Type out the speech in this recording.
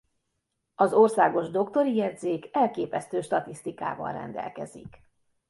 Az Országos Doktori Jegyzék elképesztő statisztikával rendelkezik.